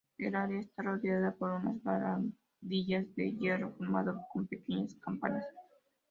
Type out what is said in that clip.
El área está rodeada por una barandilla de hierro forjado con pequeñas campanas.